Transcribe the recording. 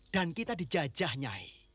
dan kita dijajah nyai